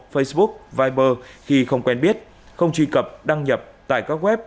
facebook viber khi không quen biết không truy cập đăng nhập tại các web